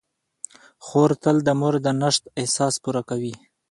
خور تل د مور د نشت احساس پوره کوي.